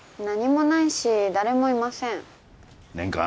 何もないし誰もいません。